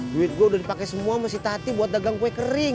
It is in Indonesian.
duit gua udah dipake semua sama si tati buat dagang kue kering